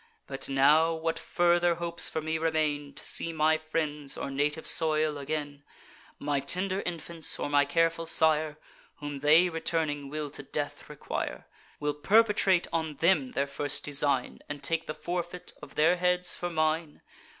But now what further hopes for me remain, To see my friends, or native soil, again; My tender infants, or my careful sire, Whom they returning will to death require; Will perpetrate on them their first design, And take the forfeit of their heads for mine?